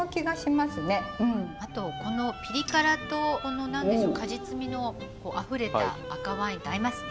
あとこのピリ辛とこの何でしょう果実味のあふれた赤ワインって合いますね。